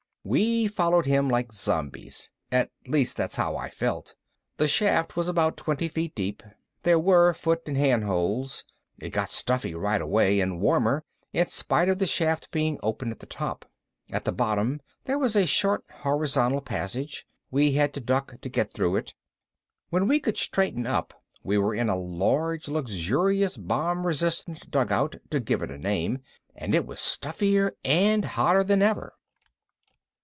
We followed him like zombies. At least that's how I felt. The shaft was about twenty feet deep. There were foot and hand holds. It got stuffy right away, and warmer, in spite of the shaft being open at the top. At the bottom there was a short horizontal passage. We had to duck to get through it. When we could straighten up we were in a large and luxurious bomb resistant dugout, to give it a name. And it was stuffier and hotter than ever.